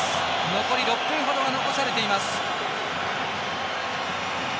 残り６分ほどが残されています。